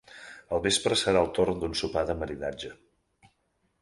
Al vespre serà el torn d’un sopar de maridatge.